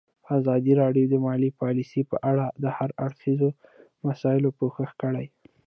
ازادي راډیو د مالي پالیسي په اړه د هر اړخیزو مسایلو پوښښ کړی.